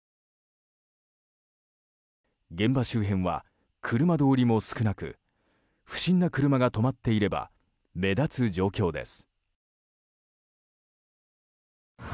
現場周辺は車通りも少なく不審な車が止まっていれば目立つ状況です。